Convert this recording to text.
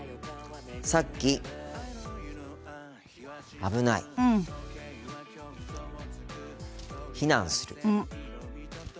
さっき「危ない」「避難する」